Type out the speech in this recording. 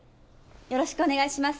よろしくお願いします。